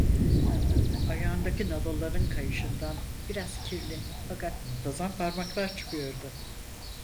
Ayağındaki nalınların kayışından, biraz kirli, fakat muntazam parmaklar çıkıyordu.